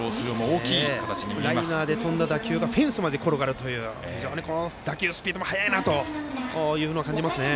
ライナーで飛んだ打球がフェンスまで転がるという打球スピードも速いなと感じますね。